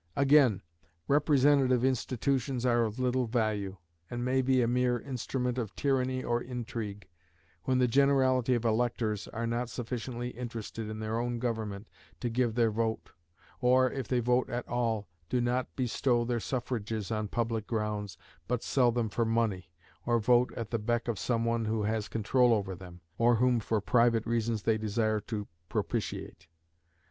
Again, representative institutions are of little value, and may be a mere instrument of tyranny or intrigue, when the generality of electors are not sufficiently interested in their own government to give their vote, or, if they vote at all, do not bestow their suffrages on public grounds, but sell them for money, or vote at the beck of some one who has control over them, or whom for private reasons they desire to propitiate.